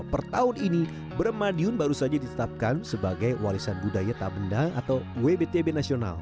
per tahun ini brem madiun baru saja ditetapkan sebagai walisan budaya tabendang atau wbtb nasional